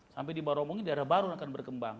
sampai dibahas omongin daerah baru akan berkembang